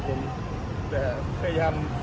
คุณอยู่ในโรงพยาบาลนะ